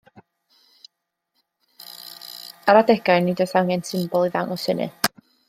Ar adegau, nid oes angen symbol i ddangos hynny.